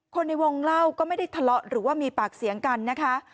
ในวงเล่าก็ไม่ได้ทะเลาะหรือว่ามีปากเสียงกันนะคะ